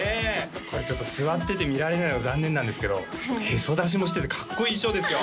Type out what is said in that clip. これちょっと座ってて見られないの残念なんですけどへそ出しもしててかっこいい衣装ですよ